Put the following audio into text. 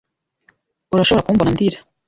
Urashobora kumbona ndira -